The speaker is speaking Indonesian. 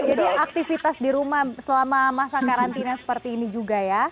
aktivitas di rumah selama masa karantina seperti ini juga ya